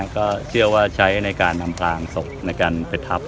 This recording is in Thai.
ก็เชื่อว่าใช้ในการอำพลางศพในการไปทับ